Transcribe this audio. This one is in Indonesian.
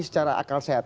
secara akal sehat